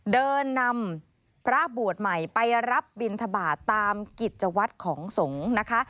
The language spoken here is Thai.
เดินนำพระบวชใหม่ไปรับบินทบาทตามกิจวัตรของสงฆ์นะคะ